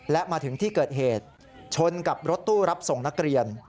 และมาถึงที่เกิดเหตุชนกับรถตู้รับส่งนักเรียน